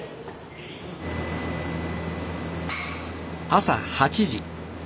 朝８時。